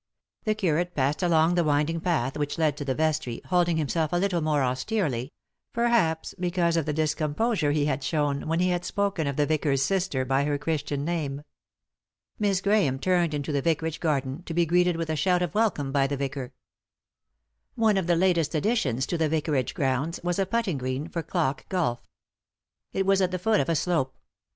The curate passed along the winding path which led to the vestry, holding himself a little more austerely, perhaps, because of the discomposure he had shown when he had spoken of the vicar's sister by her Christian name. Miss Grahame turned into the vicar age garden — to be greeted with a shout of welcome by the vicar. One of the latest additions to the vicarage grounds was a putting green, for clock golf. It was at the foot of a slope.